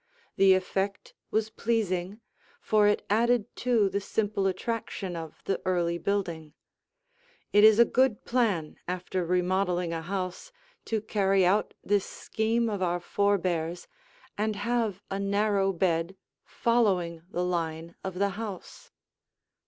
The effect was pleasing, for it added to the simple attraction of the early building. It is a good plan, after remodeling a house, to carry out this scheme of our forebears and have a narrow bed following the line of the house.